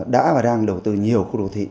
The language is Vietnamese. đã và đang đầu tư nhiều khu đô thị